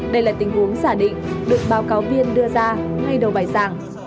đây là tình huống giả định được báo cáo viên đưa ra ngay đầu bài giảng